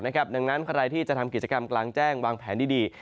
ดังนั้นใครที่จะทำกิจกรรมกลางแจ้งวางแผนดี